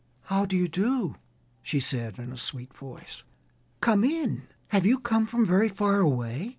"How do you do?" she said in a sweet voice. "Come in. Have you come from very far away?"